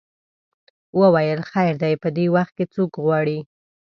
وویل خیر دی په دې وخت کې څوک غواړې.